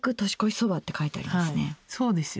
そうですよ。